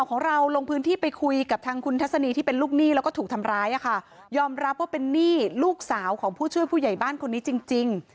ของเราลงพื้นที่ไปคุยกับทางคุณทัศนีที่เป็นลูกหนี้แล้วก็ถูกทำร้ายอ่ะค่ะยอมรับว่าเป็นหนี้ลูกสาวของผู้ช่วยผู้ใหญ่บ้านคนนี้จริงจริง